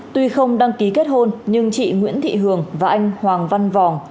tuy không đăng ký kết hôn nhưng chị nguyễn thị hường và anh hoàng văn vòng